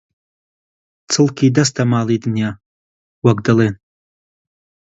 «چڵکی دەستە ماڵی دنیا» وەک دەڵێن